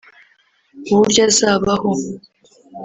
uburyo azabaho